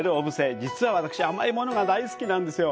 実は私、甘いものが大好きなんですよ。